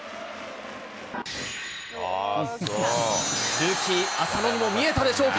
ルーキー、浅野にも見えたでしょうか。